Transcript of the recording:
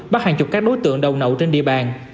bắt hàng chục các đối tượng đầu nậu trên địa bàn